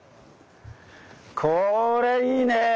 これいいね！